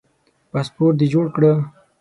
پاسپورټ دي جوړ کړه